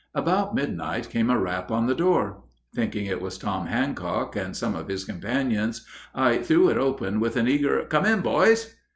About midnight came a rap on the door. Thinking it was Tom Handcock and some of his companions, I threw it open with an eager "Come in, boys!"